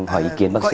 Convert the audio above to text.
hỏi ý kiến bác sĩ